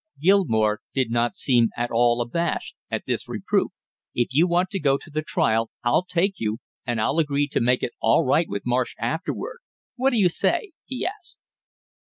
Gilmore did not seem at all abashed at this reproof. "If you want to go to the trial I'll take you, and I'll agree to make it all right with Marsh afterward; what do you say?" he asked.